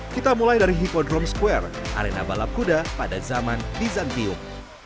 kita mulai dari hippodrome square arena balap kuda pada zaman byzantium